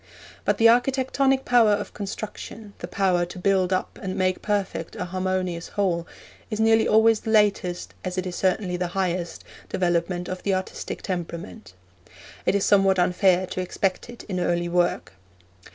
But the architectonic power of construction, the power to build up and make perfect a harmonious whole, is nearly always the latest, as it certainly is the highest, development of the artistic temperament. It is somewhat unfair to expect it in early work.